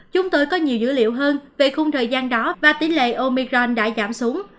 chúng tôi có nhiều dữ liệu hơn về khung thời gian đó và tỷ lệ omicron đã giảm xuống